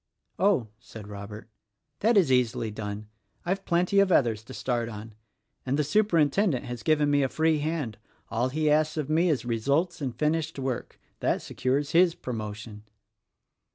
"Oh," said Robert, "that is easily done. I've plenty of others to start on. And the Superintendent has given me a free hand. All he asks of me is results in finished work. That secures his promotion."